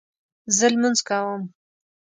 زه لمونځ کوم